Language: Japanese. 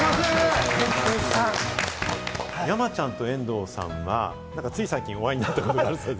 山ちゃんと遠藤さんは、つい最近、お会いになったことがあるそうで。